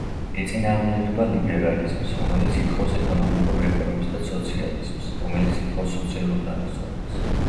ეწინააღმდეგება ლიბერალიზმს, რომელიც ითხოვს ეკონომიკურ რეფორმებს, და სოციალიზმს, რომელიც ითხოვს სოციალურ თანასწორობას.